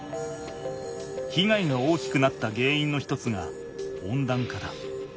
ひがいが大きくなったげんいんの一つが温暖化だ。